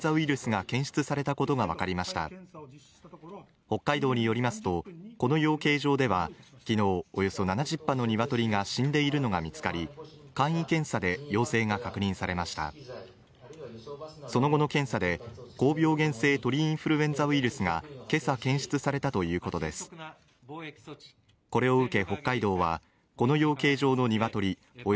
実施したところ北海道によりますとこの養鶏場ではきのうおよそ７０羽のニワトリが死んでいるのが見つかり簡易検査で陽性が確認されましたその後の検査で高病原性鳥インフルエンザウイルスが今朝検出されたということでこれを受け